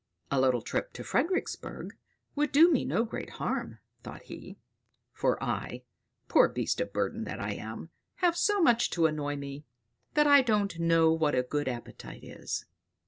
"A little trip to Fredericksburg would do me no great harm," thought he; "for I, poor beast of burden that I am, have so much to annoy me, that I don't know what a good appetite is.